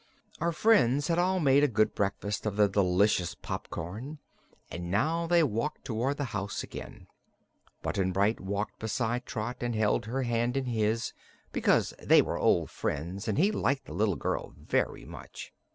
Our friends had all made a good breakfast of the delicious popcorn and now they walked toward the house again. Button Bright walked beside Trot and held her hand in his, because they were old friends and he liked the little girl very much.